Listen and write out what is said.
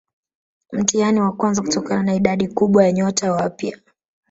Mtihani wa kwanza kutokana na idadi kubwa ya nyota wapya